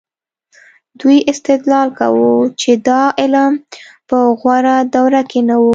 دوی استدلال کاوه چې دا علم په غوره دوره کې نه و.